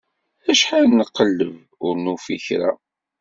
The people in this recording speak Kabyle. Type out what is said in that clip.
Acḥal nqelleb, ur nufi kra.